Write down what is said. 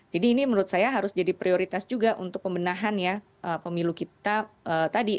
jadi ini menurut saya harus jadi prioritas juga untuk pembenahan pemilu kita tadi